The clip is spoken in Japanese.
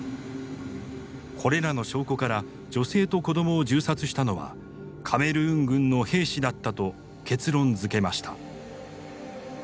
これらの証拠から女性と子どもを銃殺したのはカメルーン軍の兵士だったと結論づけました。